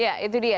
ya itu dia